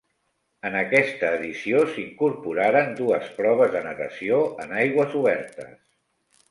En aquesta edició s'hi incorporaren dues proves de natació en aigües obertes.